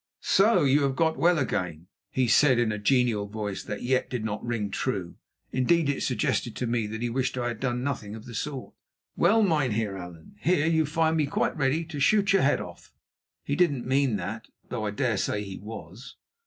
"So you have got well again," he said in a genial voice that yet did not ring true. Indeed, it suggested to me that he wished I had done nothing of the sort. "Well, Mynheer Allan, here you find me quite ready to shoot your head off." (He didn't mean that, though I dare say he was.)